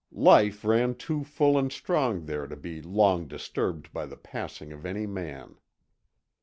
Life ran too full and strong there to be long disturbed by the passing of any man.